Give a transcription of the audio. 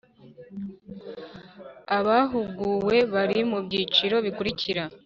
abahuguwe bari mu byiciro bikurikira: